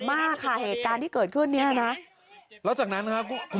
มากค่ะเหตุการณ์ที่เกิดขึ้นเนี้ยนะแล้วจากนั้นครับ